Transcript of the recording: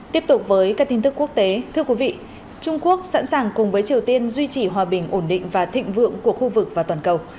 tiếp tục với các tin tức quốc tế thưa quý vị trung quốc sẵn sàng cùng với triều tiên duy trì hòa bình ổn định và thịnh vượng của khu vực và toàn cầu